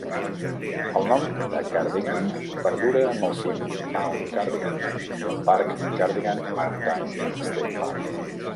El nom de Cardigan perdura amb el cim Mount Cardigan i el parc Cardigan Mountain State Park.